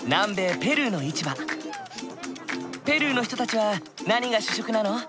ペルーの人たちは何が主食なの？